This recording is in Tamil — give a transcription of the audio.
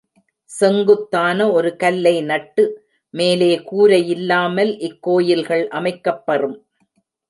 செங்குத்தான ஒரு கல்லை நட்டு, மேலே கூரையில்லாமல் இக் கோயில்கள் அமைக்கப் பெறும்.